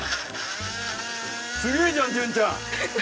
すげえじゃん潤ちゃん。